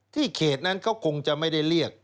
เขตนั้นเขาคงจะไม่ได้เรียก